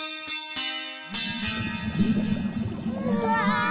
うわ！